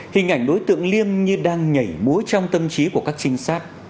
hình ảnh đối tượng liêm như đang nhảy múa trong tâm trí của các trinh sát